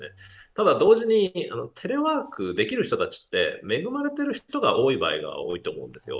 ただ、同時に、テレワークできる人たちって恵まれている人たちが多い場合が多いと思うんですよ。